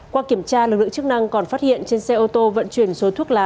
qua kiểm tra lực lượng chức năng còn phát hiện trên xe ô tô vận chuyển số thuốc lá